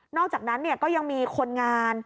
อกจากนั้นก็ยังมีคนงาน